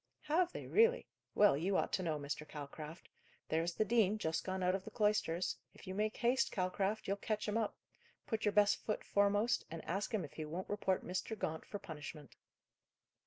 "Have they, really? Well, you ought to know, Mr. Calcraft. There's the dean, just gone out of the cloisters; if you make haste, Calcraft, you'll catch him up. Put your best foot foremost, and ask him if he won't report Mr. Gaunt for punishment."